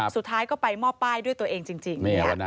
สุดท้ายก็ไปมอบป้ายด้วยตัวเองจริง